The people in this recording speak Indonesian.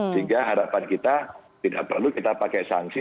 sehingga harapan kita tidak perlu kita pakai sanksi